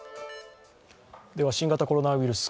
新型コロナウイルス